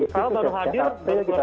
kalau baru hadir